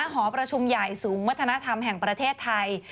หอประชุมใหญ่ศูนย์วัฒนธรรมแห่งประเทศไทย